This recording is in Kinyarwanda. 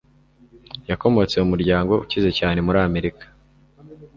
yakomotse mu muryango ukize cyane muri amerika